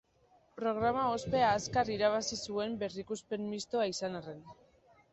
Programa ospea azkar irabazi zuen berrikuspen mistoak izan arren.